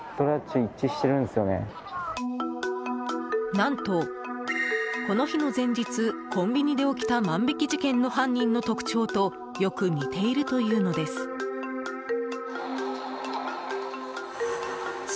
何と、この日の前日コンビニで起きた万引き事件の犯人の特徴とよく似ているというのです。